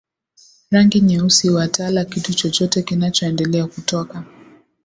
rangi nyeusi watala kitu chochote kinachoendelea kutoka